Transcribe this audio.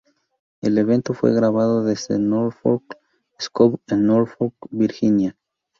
El evento fue grabado desde el Norfolk Scope en Norfolk, Virginia.